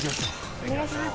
お願いします。